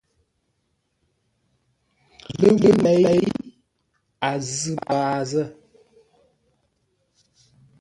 Ləwʉ̂ lei, a zʉ̂ paa zə̂.